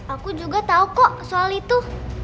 aku juga tahu kok soal itu